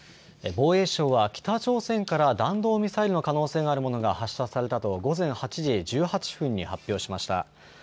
防衛省は北朝鮮から弾道ミサイルの可能性があるものが発射されたと午前８時１８分に発表しました。